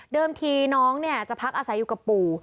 เดิมทีน้องเนี่ยจะพักอาศัยอยู่กับปู่